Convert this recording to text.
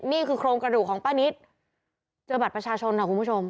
นี่คือโครงกระดูกของป้านิตเจอบัตรประชาชนค่ะคุณผู้ชม